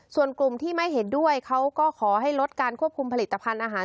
ส่วนกลุ่มที่ไม่เห็นด้วยเขาก็ขอให้ลดการควบคุมผลิตภัณฑ์อาหาร